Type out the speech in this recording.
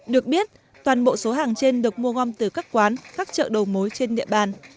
được biết toàn bộ số hàng trên được mua gom từ các quán các chợ đầu mối trên địa bàn